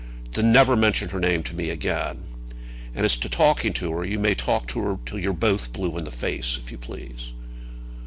"Then never mention her name to me again. And as to talking to her, you may talk to her till you're both blue in the face, if you please."